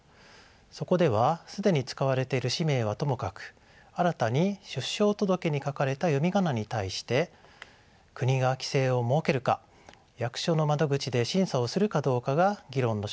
そこでは既に使われている氏名はともかく新たに出生届に書かれた読み仮名に対して国が規制を設けるか役所の窓口で審査をするかどうかが議論の焦点となりました。